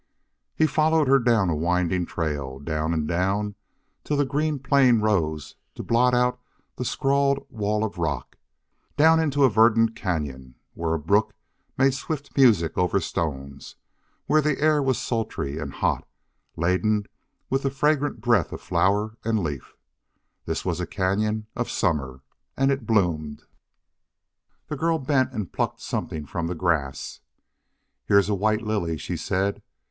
He followed her down a winding trail down and down till the green plain rose to blot out the scrawled wall of rock, down into a verdant cañon where a brook made swift music over stones, where the air was sultry and hot, laden with the fragrant breath of flower and leaf. This was a cañon of summer, and it bloomed. The girl bent and plucked something from the grass. "Here's a white lily," she said.